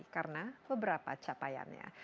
karena beberapa capaiannya